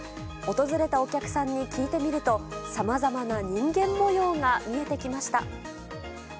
訪れたお客さんに聞いてみると、さまざまな人間もようが見えてきました。